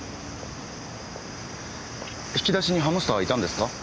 引き出しにハムスターはいたんですか？